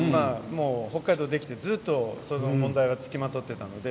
北海道ではずっとその問題がつきまとっていたんですね。